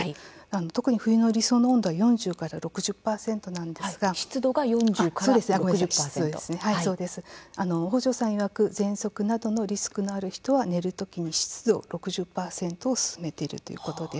特に冬の理想の湿度は４０から６０％なんですが放生さんいわくぜんそくなどのリスクのある人は寝る時に湿度６０％を勧めているということです。